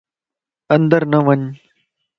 اندر نه وڃ